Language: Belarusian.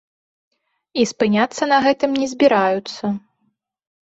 І спыняцца на гэтым не збіраюцца.